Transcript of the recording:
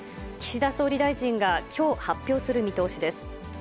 岸田総理大臣が、きょう発表する見通しです。